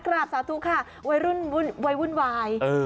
กราบสาธุค่ะวัยรุ่นวุ่นวาย